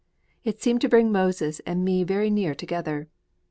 It seemed to bring Moses and me very near together.